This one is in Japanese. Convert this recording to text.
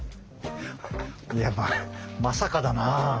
いやまさかだなあ。